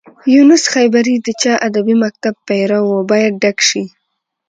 یونس خیبري د چا ادبي مکتب پيرو و باید ډک شي.